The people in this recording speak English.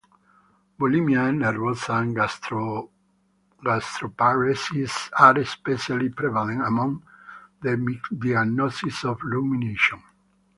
Bulimia nervosa and gastroparesis are especially prevalent among the misdiagnoses of rumination.